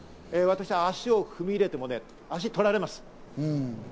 私、足を踏み入れても足を取られます。